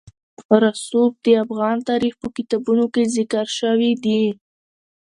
رسوب د افغان تاریخ په کتابونو کې ذکر شوي دي.